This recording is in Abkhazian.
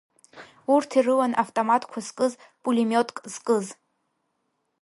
Урҭ ирылан автоматқәа зкыз, пулемиотк зкыз.